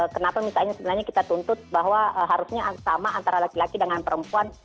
kenapa misalnya sebenarnya kita tuntut bahwa harusnya sama antara laki laki dengan perempuan